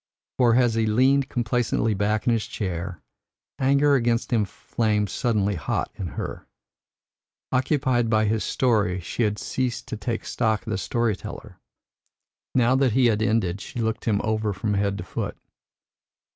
For as he leaned complacently back in his seat, anger against him flamed suddenly hot in her. Occupied by his story, she had ceased to take stock of the story teller. Now that he had ended, she looked him over from head to foot.